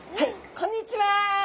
こんにちは。